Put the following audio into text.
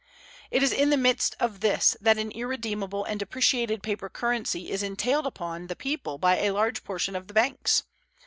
It is in the midst of this that an irredeemable and depreciated paper currency is entailed upon the people by a large portion of the banks.